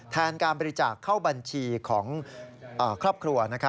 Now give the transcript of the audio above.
การบริจาคเข้าบัญชีของครอบครัว